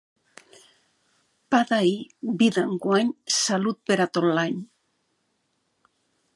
Pa d'ahir, vi d'enguany, salut per a tot l'any.